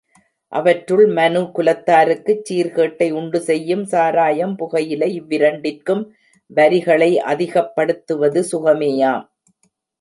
அவற்றுள் மனு குலத்தாருக்குச் சீர்கேட்டை உண்டு செய்யும் சாராயம், புகையிலை இவ்விரண்டிற்கும் வரிகளை அதிகப்படுத்துவது சுகமேயாம்.